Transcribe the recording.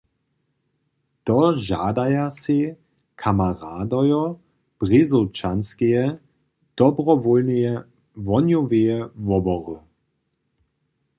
To žadaja sej kameradojo Brězowčanskeje dobrowólneje wohnjoweje wobory.